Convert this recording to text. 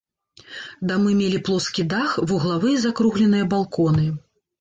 Дамы мелі плоскі дах, вуглавыя закругленыя балконы.